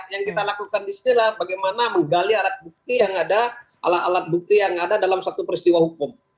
yang kita lakukan disini adalah bagaimana menggali alat bukti yang ada dalam satu peristiwa hukum